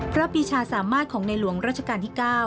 ปีชาสามารถของในหลวงราชการที่๙